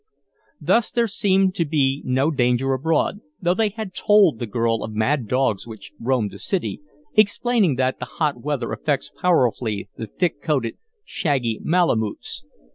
Thus there seemed to be no danger abroad, though they had told the girl of mad dogs which roamed the city, explaining that the hot weather affects powerfully the thick coated, shaggy "malamoots."